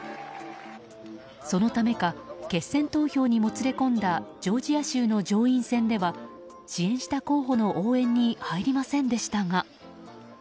そのためか、決選投票にもつれ込んだジョージア州の上院選では支援した候補の応援に入りませんでしたが。